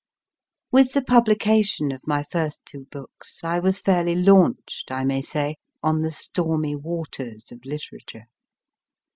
With the publication of my first two books, I was fairly launched, I may say, on the stormy waters of literature.